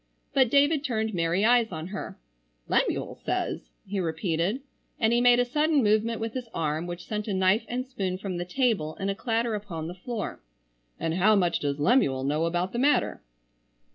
But David turned merry eyes on her. "Lemuel says?" he repeated, and he made a sudden movement with his arm which sent a knife and spoon from the table in a clatter upon the floor. "And how much does Lemuel know about the matter?"